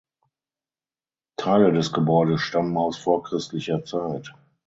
Teile des Gebäudes stammen aus vorchristlicher Zeit.